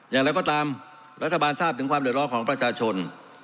อย่างไรก็ตามรัฐบาลทราบถึงความเดือดร้อนของประชาชน